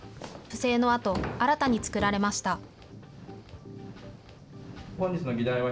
不正のあと、新たに作られました。